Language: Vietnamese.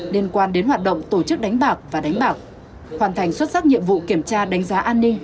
liên quan đến hoạt động tổ chức đánh bạc và đánh bạc hoàn thành xuất sắc nhiệm vụ kiểm tra đánh giá an ninh